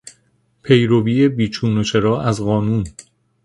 پیروی بیچون و چرا از قانون